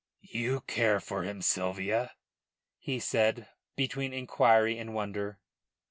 "You care for him, Sylvia?" he said, between inquiry and wonder.